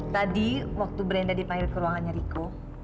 tadi waktu brenda dipanggil ke ruangannya riko